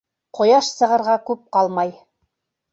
Ҡояш сығырға күп ҡалмай.